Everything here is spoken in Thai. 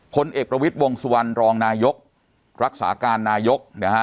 พลเอกประวิทย์วงสุวรรณรองนายกรักษาการนายกนะฮะ